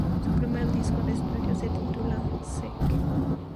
Su primer disco de estudio se titula "Sick!!!